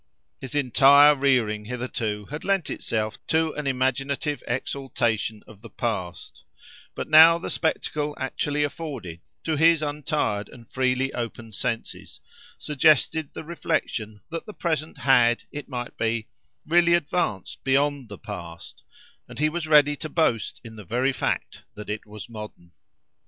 His entire rearing hitherto had lent itself to an imaginative exaltation of the past; but now the spectacle actually afforded to his untired and freely open senses, suggested the reflection that the present had, it might be, really advanced beyond the past, and he was ready to boast in the very fact that it was modern.